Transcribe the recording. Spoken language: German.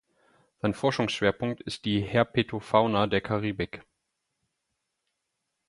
Sein Forschungsschwerpunkt ist die Herpetofauna der Karibik.